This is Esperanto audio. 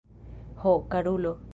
Ho, karulo!